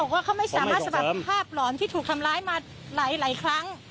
ว่าเขาไม่สามารถสะบัดภาพหลอนที่ถูกทำร้ายมาหลายครั้ง